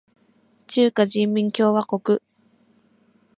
中華人民共和国